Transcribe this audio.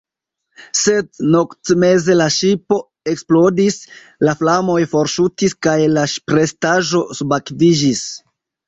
Sed noktmeze la ŝipo eksplodis, la flamoj forŝutis, kaj la ŝiprestaĵo subakviĝis.